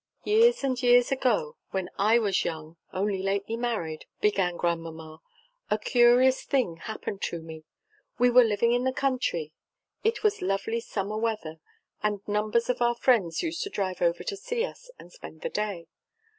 "Years and years ago when I was young, only lately married," began Grandmamma, "a curious thing happened to me. We were living in the country it was lovely summer weather, and numbers of our friends used to drive over to see us and spend the day.